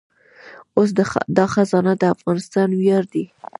اوس دا خزانه د افغانستان ویاړ دی